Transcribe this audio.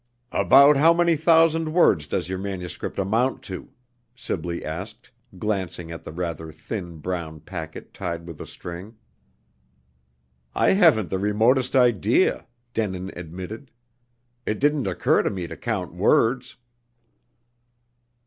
"About how many thousand words does your manuscript amount to?" Sibley asked, glancing at the rather thin brown packet tied with a string. "I haven't the remotest idea!" Denin admitted. "It didn't occur to me to count words."